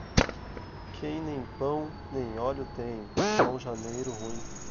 Quem nem pão nem óleo tem, é um janeiro ruim.